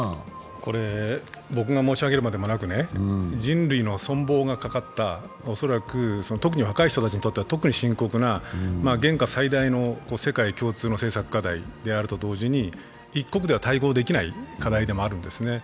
これ僕が申し上げるまでもなく人類の存亡がかかった、恐らく若い人たちにとっては特に深刻な現下最大の世界共通の課題と同時に一国では対応できない課題でもあるんですね。